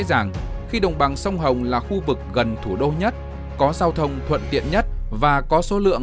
dàng khi đồng bằng sông hồng là khu vực gần thủ đô nhất có giao thông thuận tiện nhất và có số lượng